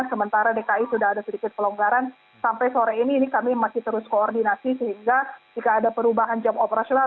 sementara dki sudah ada sedikit pelonggaran sampai sore ini kami masih terus koordinasi sehingga jika ada perubahan jam operasional